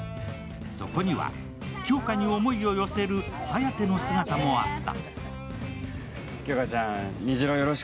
そこには、杏花に思いを寄せる颯の姿もあった。